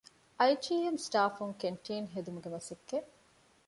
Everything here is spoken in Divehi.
އައި.ޖީ.އެމް ސްޓާފް ކެންޓީން ހެދުމުގެ މަސައްކަތް